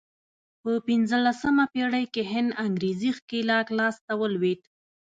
په پنځلسمه پېړۍ کې هند انګرېزي ښکېلاک لاس ته ولوېد.